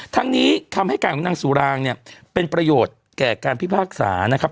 ทั้งนี้คำให้การของนางสุรางเนี่ยเป็นประโยชน์แก่การพิพากษานะครับ